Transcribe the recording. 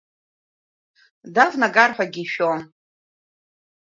Давнагар ҳәагьы ишәон.